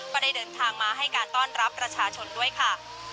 ก็ได้เดินทางมาให้การต้อนรับประชาชนด้วยค่ะ